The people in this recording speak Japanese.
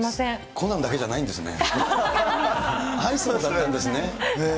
コナンだけじゃないんですね。